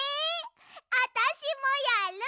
あたしもやる！